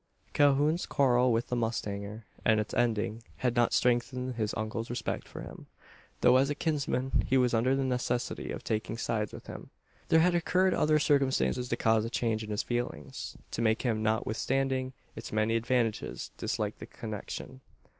Calhoun's quarrel with the mustanger, and its ending, had not strengthened his uncle's respect for him; though, as a kinsman, he was under the necessity of taking sides with him. There had occurred other circumstances to cause a change in his feelings to make him, notwithstanding its many advantages, dislike the connection.